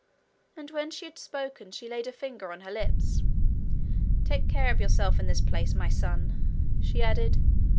And when she had spoken she laid a finger on her lips. 'Take care of yourself in this place, MY son,' she added.